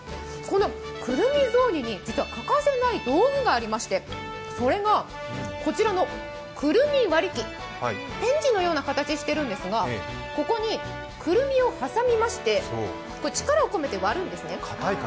くるみ雑煮に欠かせない道具がありまして、それがこちらのくるみ割り器、ペンチのような形をしているんですが、ここにくるみを挟みまして力を込めて割るんですね。